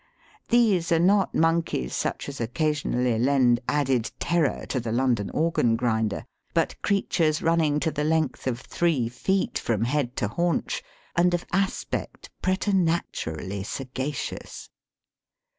These are not monkeys such as occasionally lend added terror to the London organ grinder, but creatures running to the length of three feet from head to haunch, and of aspect pretematurally saga cious.